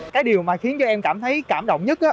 cái điều mà khiến cho em cảm thấy cảm động nhất